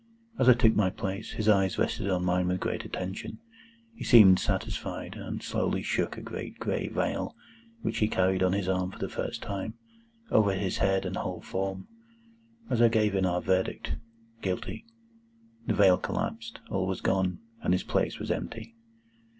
As I took my place, his eyes rested on me with great attention; he seemed satisfied, and slowly shook a great gray veil, which he carried on his arm for the first time, over his head and whole form. As I gave in our verdict, "Guilty," the veil collapsed, all was gone, and his place was empty.